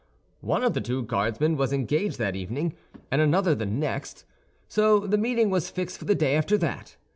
One of the two Guardsmen was engaged that evening, and another the next, so the meeting was fixed for the day after that.